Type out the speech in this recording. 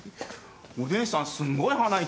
お姉さんすんごい鼻息。